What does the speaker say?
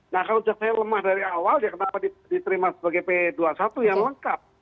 nah kalau jaksa lemah dari awal ya kenapa diterima sebagai p dua puluh satu yang lengkap